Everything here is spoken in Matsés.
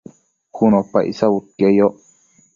cun opa icsabudquieyoc